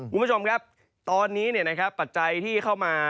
คุณผู้ชมครับตอนนี้ปัจจัยที่เข้ามา